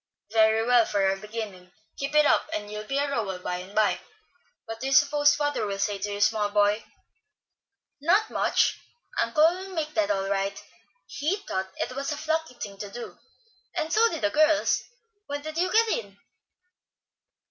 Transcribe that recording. "Very well, for a beginning. Keep it up and you'll be a Rowell by and by. What do you suppose father will say to you, small boy?" "Not much. Uncle will make that all right. He thought it was a plucky thing to do, and so did the girls. When did you get in?"